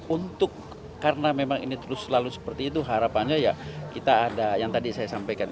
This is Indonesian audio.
untuk karena memang ini terus selalu seperti itu harapannya ya kita ada yang tadi saya sampaikan